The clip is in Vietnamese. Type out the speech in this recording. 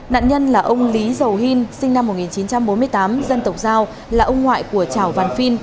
nạn nhân là ông lý dầu hin sinh năm một nghìn chín trăm bốn mươi tám dân tộc giao là ông ngoại của chảo văn phiên